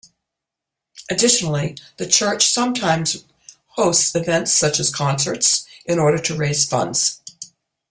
Additionally, the Church sometimes hosts events such as concerts in order to raise funds.